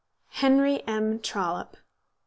HENRY M. TROLLOPE.